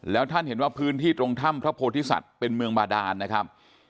แล้วท่านเห็นว่าพื้นที่ตรงถ้ำพระโพธิสัตว์เป็นเมืองบาดานนะครับ